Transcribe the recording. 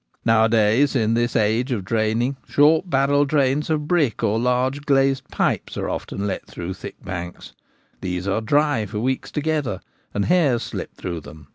Nowadays, in this age of draining, short barrel drains of brick or large glazed pipes are often let through thick banks ; these are dry for weeks to gether, and hares slip through them.